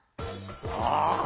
ああ。